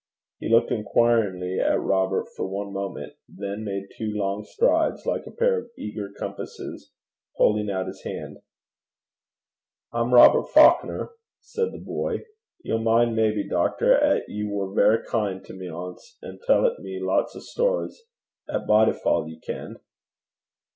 He looked inquiringly at Robert for one moment, then made two long strides like a pair of eager compasses, holding out his hand. 'I'm Robert Faukner,' said the boy. 'Ye'll min', maybe, doctor, 'at ye war verra kin' to me ance, and tellt me lots o' stories at Bodyfauld, ye ken.'